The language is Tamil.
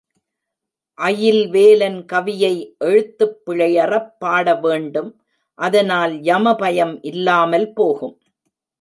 அயில்வேலன் கவியை எழுத்துப் பிழையறப் பாட வேண்டும், அதனால் யம பயம் இல்லாமல் போகும்.